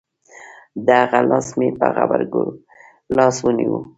د هغه لاس مې په غبرگو لاسو ونيو.